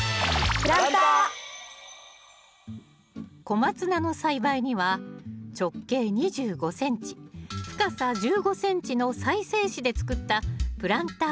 コマツナの栽培には直径２５ｃｍ深さ１５ｃｍの再生紙で作ったプランターを使います。